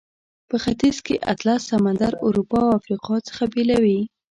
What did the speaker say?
په ختیځ کې اطلس سمندر اروپا او افریقا څخه بیلوي.